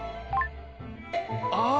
ああ！